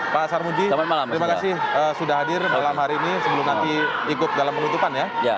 pak sarmuji terima kasih sudah hadir malam hari ini sebelum nanti ikut dalam penutupan ya